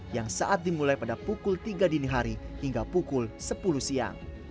yang saat dimulai pada pukul tiga dini hari hingga pukul sepuluh siang